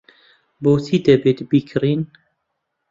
بۆچی دەبێت بیکڕین؟